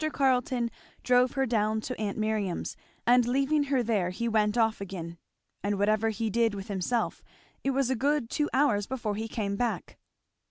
Carleton drove her down to aunt Miriam's, and leaving her there he went off again; and whatever he did with himself it was a good two hours before he came back.